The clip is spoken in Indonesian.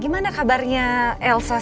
mana kabarnya else dan mo